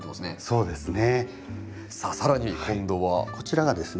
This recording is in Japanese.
はいそうですね。